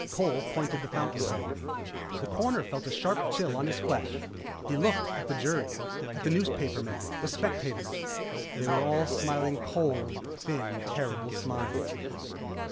Cole pointed the fountain pen. The Coroner felt a sharp chill on his flesh. He looked at the jury, at the newspaperman, the spectators. They were all smiling cold, thin, terrible smiles....